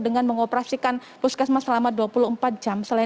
dengan mengoperasikan puskesmas selama dua puluh empat jam